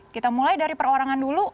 kita mulai dari perorangan dulu